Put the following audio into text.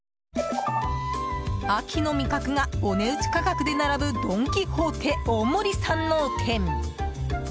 秋の味覚がお値打ち価格で並ぶドン・キホーテ大森山王店。